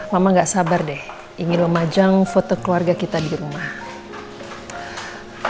mama gak sabar deh ingin memajang foto keluarga kita di rumah